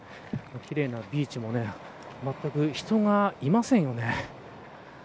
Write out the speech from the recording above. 奇麗なビーチもまったく人がいませんよね。